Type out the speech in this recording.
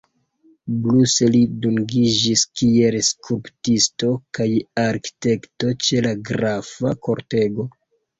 Pluse li dungiĝis kiel skulptisto kaj arkitekto ĉe la grafa kortego.